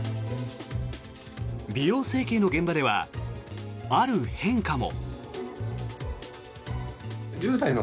美容整形の現場ではある変化も。